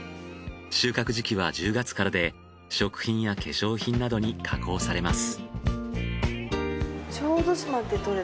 収穫時期は１０月からで食品や化粧品などに加工されます。